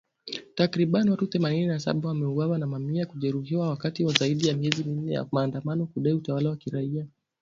Takribani watu themanini na saba wameuawa na mamia kujeruhiwa wakati wa zaidi ya miezi minne ya maandamano ya kudai utawala wa kiraia